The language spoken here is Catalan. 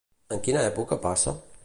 En quina època passa?